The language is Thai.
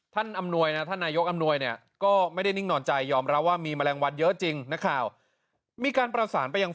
แต่เน่นนี่ทุกข์ย้อมจะให้ในวันแหล่งวันเเต็มไปเมือง